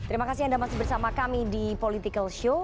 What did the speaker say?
terima kasih anda masih bersama kami di politikalshow